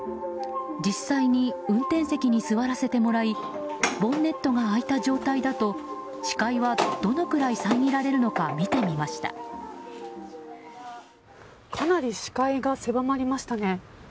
実際に運転席に座らせてもらいボンネットが開いた状態だと視界はどのくらい遮られるのかかなり視界が狭まりましたね。